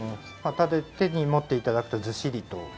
手に持って頂くとずっしりと。